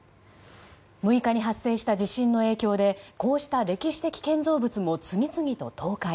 ６日に発生した地震の影響でこうした歴史的建造物も次々と倒壊。